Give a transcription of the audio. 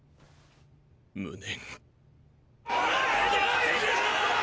無念。